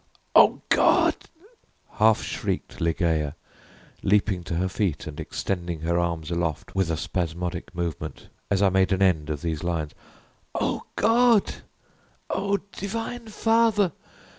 "O God!" half shrieked Ligeia, leaping to her feet and extending her arms aloft with a spasmodic movement, as I made an end of these lines "O God! O Divine Father!